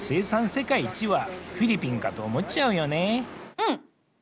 うん！